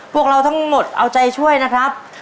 พวกเราทั้งหมดเอาใจช่วยนะครับ